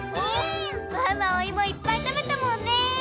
ワンワンおいもいっぱいたべたもんね。